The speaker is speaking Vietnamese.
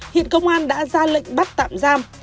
hiện công an đã ra lệnh bắt tạm giam